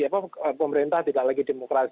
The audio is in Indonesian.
pemerintah tidak lagi demokrasi